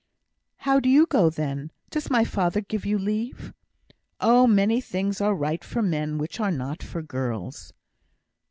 "How do you go, then? Does my father give you leave?" "Oh! many things are right for men which are not for girls."